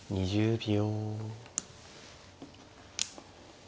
２０秒。